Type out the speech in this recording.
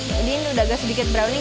jadi ini udah agak sedikit browning